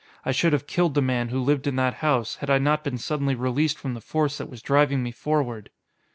I should have killed the man who lived in that house, had I not been suddenly released from the force that was driving me forward!"